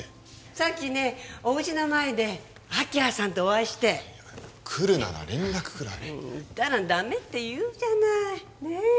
さっきねおうちの前で明葉さんとお会いして来るなら連絡くらい言ったらダメって言うじゃないねえ？